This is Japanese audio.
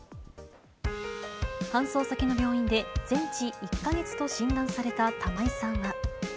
搬送先の病院で、全治１か月と診断された玉井さんは。